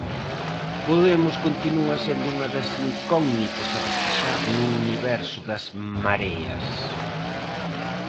Podemos continúa sendo unha das incógnitas a despexar no universo das mareas.